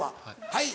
はい。